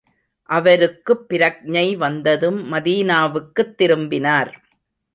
அவருக்குப் பிரக்ஞை வந்ததும் மதீனாவுக்குத் திரும்பினார்.